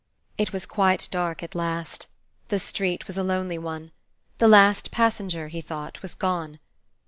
It was quite dark at last. The street was a lonely one. The last passenger, he thought, was gone.